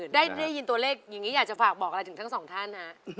ได้ยินตัวเลขอย่างนี้อยากจะฝากบอกอะไรถึงทั้งสองท่านฮะ